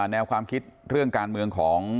แนวความคิดเรื่องการเมืองของ